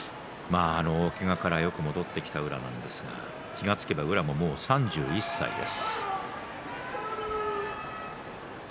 けがからよく戻ってきた宇良なんですが気が付けば宇良も３１歳です。